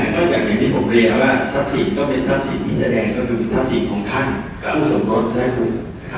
ก็อย่างที่ผมเรียกว่าทรัพย์สิทธิ์ก็เป็นทรัพย์สิทธิ์ที่แสดงก็คือทรัพย์สิทธิ์ของท่านผู้สมตนและผู้